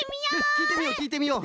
きいてみようきいてみよう！